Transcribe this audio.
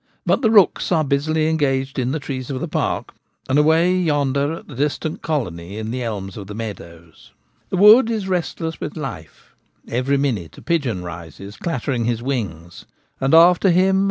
But the rooks are busily engaged in the trees of the park, and away yonder at the distant colony in the elms of the meadows. The wood is restless with life : every minute a pigeon rises, clattering his wings, and after him 70 The Gamekeeper at Home.